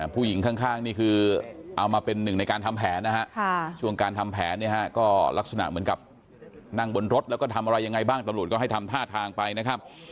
ผู้หญิงข้างนี่คือเอามาเป็นหนึ่งในการทำแผนนะฮะช่วงการทำแผนเนี่ยฮะก็ลักษณะเหมือนกับนั่งบนรถแล้วก็ทำอะไรยังไงบ้างตำรวจก็ให้ทำท่าทางไปนะครับ